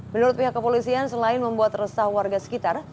menurut pihak kepolisian selain membuat resah warga sekitar